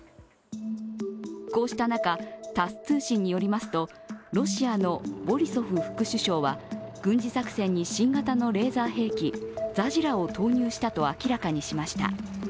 こうした中、タス通信によりますとロシアのボリソフ副首相は軍事作戦に新型のレーザー兵器、ザジラを投入したと明らかにしました。